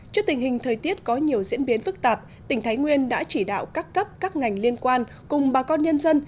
trước tình hình thời tiết có nhiều diễn biến phức tạp tỉnh thái nguyên đã chỉ đạo các cấp các ngành liên quan cùng bà con nhân dân